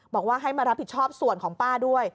บอกว่าให้มารับผิดชอบส่วนของป้าด้วย